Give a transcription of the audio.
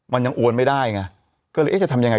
มันยังอวนไม่ได้ไงก็เลยเอ๊ะจะทำยังไง